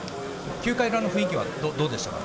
９回からの雰囲気はどうでした。